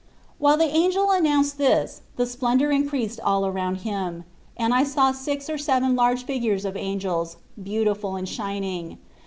Whilst the angel announced this the splendour increased all around him, and I saw six or seven large figures of angels, beautiful and shining.